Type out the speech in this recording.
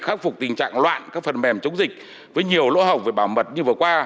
khắc phục tình trạng loạn các phần mềm chống dịch với nhiều lỗ hỏng về bảo mật như vừa qua